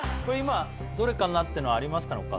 今どれかなっていうのはありますか？